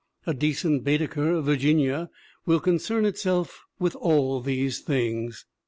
A decent Baede ker of Virginia will concern itself with all these things.